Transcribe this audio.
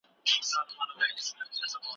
ځيني شرطونه په طلاقي سوي پوري اړه لري.